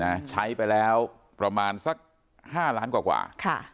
นะใช้ไปแล้วประมาณสักห้าล้านกว่ากว่าค่ะ